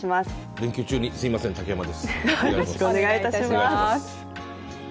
連休中にすみません、竹山です、お願いします。